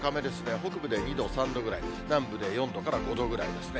北部で２度、３度ぐらい、南部で４度から５度ぐらいですね。